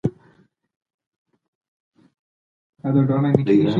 وفادار اوسئ.